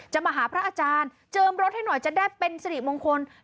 มาหาพระอาจารย์เจิมรถให้หน่อยจะได้เป็นสิริมงคล